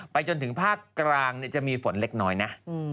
จนถึงภาคกลางจะมีฝนเล็กน้อยนะ